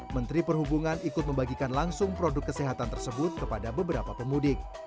menteri perhubungan ikut membagikan langsung produk kesehatan tersebut kepada beberapa pemudik